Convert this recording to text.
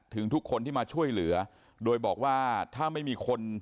ถึงทุกคนที่มาช่วยเหลือโดยบอกว่าถ้าไม่มีคน